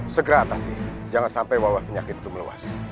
segera atasi jangan sampai wawah penyakit itu meluas